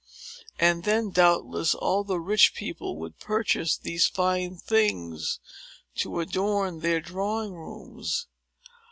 And then, doubtless, all the rich people would purchase these fine things, to adorn their drawing rooms.